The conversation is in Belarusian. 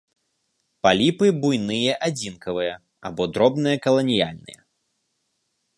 Паліпы буйныя адзінкавыя або дробныя каланіяльныя.